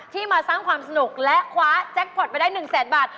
มาสร้างความสนุกและคว้าแจ็คพอร์ตไปได้๑แสนบาท